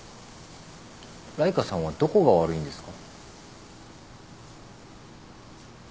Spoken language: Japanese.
ライカさんはどこが悪いんですか？